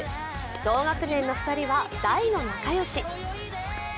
同学年の２人は大の仲良し。